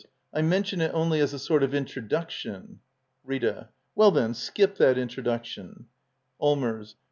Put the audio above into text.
I mention it only as a sort of intro duction. Rita. Well, then, skip that introduction! Allmers.